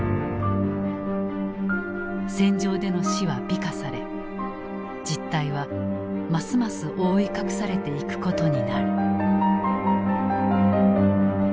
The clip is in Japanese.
戦場での死は美化され実態はますます覆い隠されていくことになる。